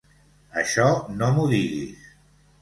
Això no m'ho diguis.